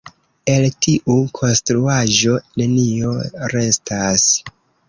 El tiu konstruaĵo, nenio restas.